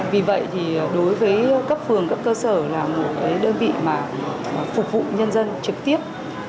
vì vậy đối với cấp phường cấp cơ sở là một đơn vị phục vụ nhân dân trực tiếp